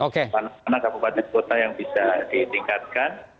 karena kabupaten kota yang bisa ditingkatkan